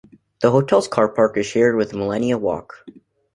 The hotel's carpark is shared with Millenia Walk.